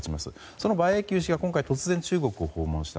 その馬英九氏が今回突然、中国を訪問した。